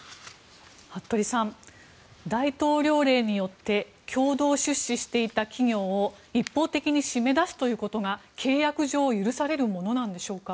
服部さん大統領令によって共同出資していた企業を一方的に締め出すということが契約上許されるものなんでしょうか。